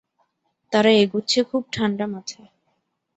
তারা এগুচ্ছে খুব ঠাণ্ডা মাথায়।